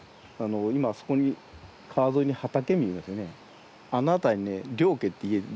今あそこに川沿いに畑見えますね。